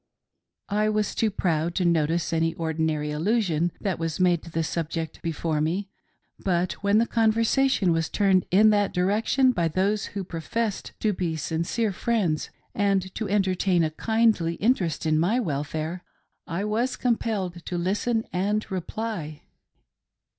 I was too proud to notice any ordinary allusion that was made to the subject before me; but when the conversation was turned in that direction by those who professed to be sin cere friends and to entertain a kindly interest in my welfare, I was compelled to listen and reply.